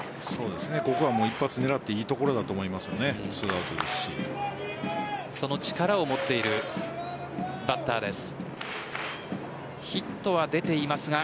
ここは一発狙っていいところだと思いますね。